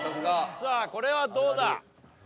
さあこれはどうだ？